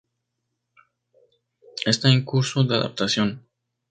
Está en curso de adaptación.